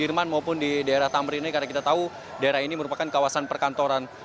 di daerah sudirman maupun di daerah tamrini karena kita tahu daerah ini merupakan kawasan perkantoran